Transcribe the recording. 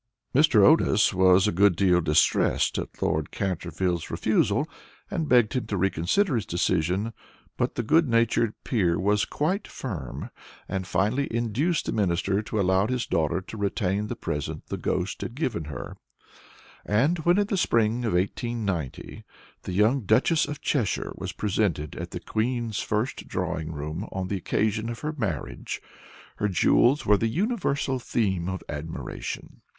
Mr. Otis was a good deal distressed at Lord Canterville's refusal, and begged him to reconsider his decision, but the good natured peer was quite firm, and finally induced the Minister to allow his daughter to retain the present the ghost had given her, and when, in the spring of 1890, the young Duchess of Cheshire was presented at the Queen's first drawing room on the occasion of her marriage her jewels were the universal theme of admiration.